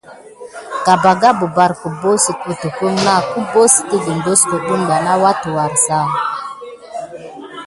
Gabaga ɓɑɓɑrɑ kelba site ototuhe nà wature kusuhobi kasa maylni wukedé hubosita.